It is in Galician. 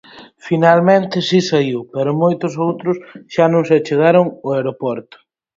Finalmente si saíu, pero moitos outros xa non se achegaron ao aeroporto.